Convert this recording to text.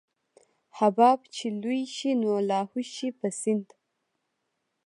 حباب چې لوى شي نو لاهو شي په سيند.